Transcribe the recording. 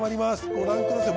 ご覧ください